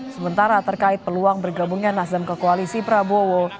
sementara terkait peluang bergabungnya nasdem ke koalisi prabowo